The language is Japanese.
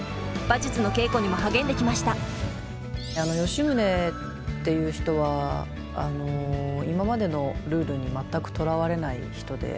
吉宗っていう人は今までのルールに全くとらわれない人で。